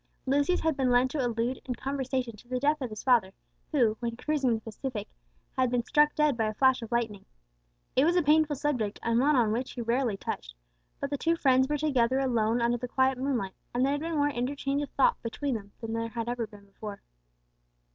Lucius had been led to allude in conversation to the death of his father, who, when cruising in the Pacific, had been struck dead by a flash of lightning. It was a painful subject, and one on which he rarely touched; but the two friends were together alone under the quiet moonlight, and there had been more of interchange of thought between them than there had ever been before.